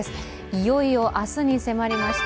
いよいよ明日に迫りました